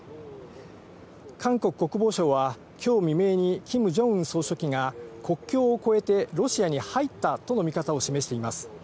韓国国防省はきょう未明にキム・ジョンウン総書記が国境を越えてロシアに入ったとの見方を示しています。